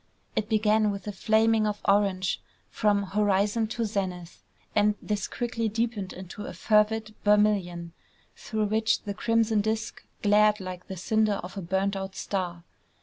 It began with a flaming of orange from horizon to zenith; and this quickly deepened to a fervid vermilion, through which the crimson disk glared like the cinder of a burnt out star.